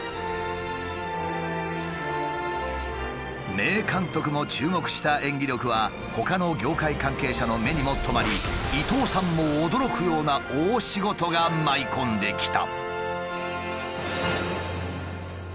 名監督も注目した演技力はほかの業界関係者の目にも留まり伊東さんも驚くような大仕事が舞い込んできた。